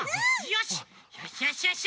よしよしよしよし！